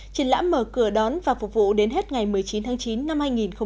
triển lãm mở cửa đón và phục vụ đến hết ngày một mươi chín tháng chín năm hai nghìn một mươi chín